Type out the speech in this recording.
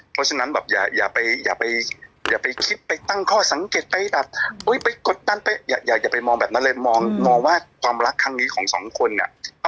เพราะฉะนั้นแบบอย่าไปอย่าไปคิดไปตั้งข้อสังเกตไปแบบไปกดดันไปอย่าไปมองแบบนั้นเลยมองว่าความรักครั้งนี้ของสองคนเนี่ย